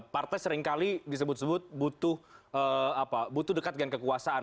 partai seringkali disebut sebut butuh dekat dengan kekuasaan